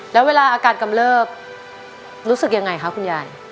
แล้วเวลาอาการกำเลิบรู้สึกยังไงคะคุณยาย